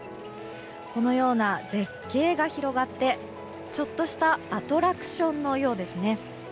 このような絶景が広がってちょっとしたアトラクションのようですね。